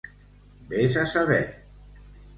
Ves a saber!